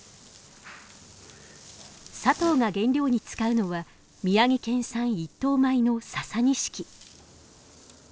佐藤が原料に使うのは宮城県産一等米のササニシキ。